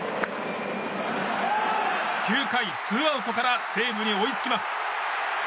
９回ツーアウトから西武に追いつきます。